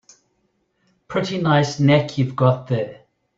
Pretty nice neck you've got there.